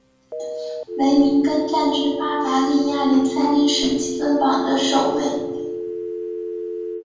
梅明根占据巴伐利亚联赛历史积分榜的首位。